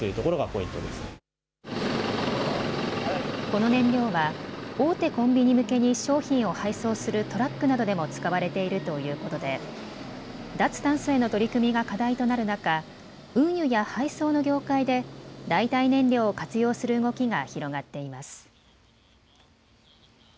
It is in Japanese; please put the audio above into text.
この燃料は大手コンビニ向けに商品を配送するトラックなどでも使われているということで脱炭素への取り組みが課題となる中、運輸や配送の業界で代替燃料を活用する動きが広がっています。